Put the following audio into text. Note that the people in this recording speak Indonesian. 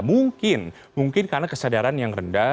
mungkin mungkin karena kesadaran yang rendah